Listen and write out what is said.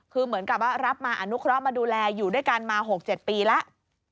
คือเหมือนกับว่ารับมาอนุเคราะห์มาดูแลอยู่ด้วยกันมา๖๗ปีแล้ว